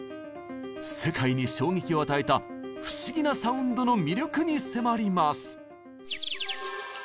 世界に衝撃を与えた不思議なサウンドの魅力に迫ります。